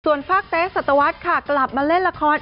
ส่วนฝากเฟสสัตวรรษค่ะกลับมาเล่นละคร